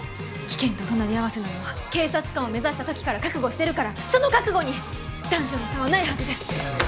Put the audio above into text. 危険と隣り合わせなのは警察官を目指した時から覚悟してるからその覚悟に男女の差はないはずです。